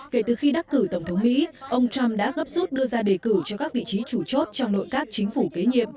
kể từ khi đắc cử tổng thống mỹ ông trump đã gấp rút đưa ra đề cử cho các vị trí chủ chốt trong nội các chính phủ kế nhiệm